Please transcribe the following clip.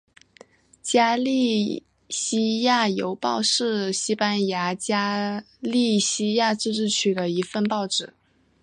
加利西亚邮报是西班牙加利西亚自治区的一份报纸。